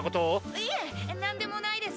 ・いえ何でもないです！